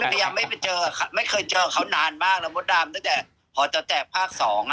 พยายามไม่ไปเจอไม่เคยเจอเขานานมากนะมดดำตั้งแต่พอจะแตกภาคสอง